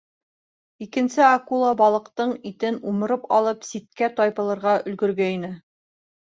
Икенсе акула, балыҡтың итен умырып алып, ситкә тайпылырға өлгөргәйне.